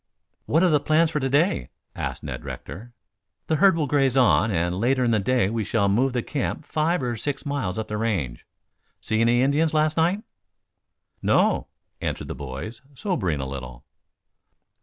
"What are the plans for to day?" asked Ned Rector. "The herd will graze on, and later in the day we shall move the camp five or six miles up the range. See any Indians last night?" "No," answered the boys, sobering a little.